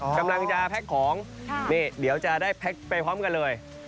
กำลังจะแพ็คของนี่เดี๋ยวจะได้แพ็คไปพร้อมกันเลย